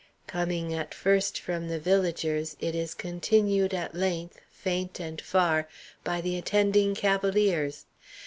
Coming at first from the villagers, it is continued at length, faint and far, by the attending cavaliers.